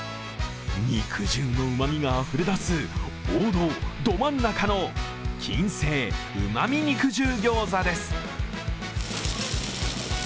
肉汁のうまみがあふれ出す、王道、ど真ん中の謹製旨味肉汁餃子です。